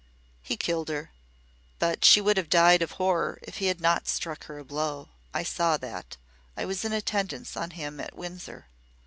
"He killed her. But she would have died of horror if he had not struck her a blow. I saw that. I was in attendance on him at Windsor."